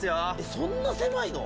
そんな狭いの？